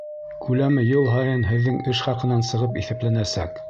Күләме йыл һайын һеҙҙең эш хаҡынан сығып иҫәпләнәсәк.